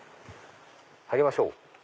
入りましょう！